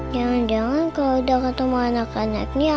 jangan jangan kalau udah ketemu anak anaknya